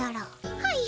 はい。